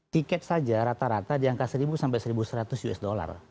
tiket saja rata rata di angka seribu sampai seribu seratus usd